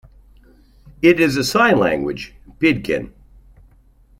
It is a sign-language pidgin.